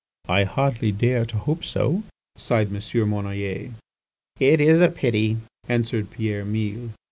"I hardly dare to hope so," sighed M. Monnoyer. "It is a pity!" answered Pierre Mille.